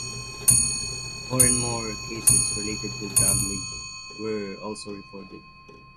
More and more cases related to Tabligh were also reported.